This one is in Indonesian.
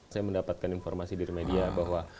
saya mendapatkan informasi dari media bahwa